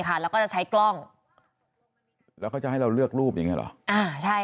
ค่ะแล้วก็จะใช้กล้องแล้วก็จะให้เราเลือกรูปยังไงหรอใช่